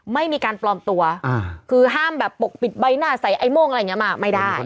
ไม่มีการปลอมตัวคือห้ามแบบปกปิดใบหน้าใส่ไอ้โม่งอะไรอย่างนี้มาไม่ได้